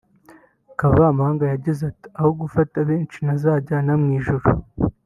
Kavamahanga yagize ati “Aho gufata benshi ntazajyana mu ijuru